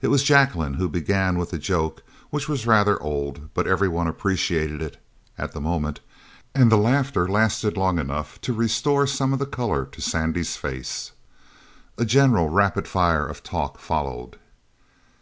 It was Jacqueline who began with a joke which was rather old, but everyone appreciated it at that moment and the laughter lasted long enough to restore some of the colour to Sandy's face. A general rapid fire of talk followed.